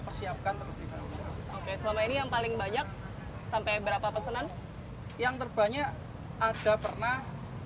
persiapkan terlebih dahulu oke selama ini yang paling banyak sampai berapa pesanan yang terbanyak ada pernah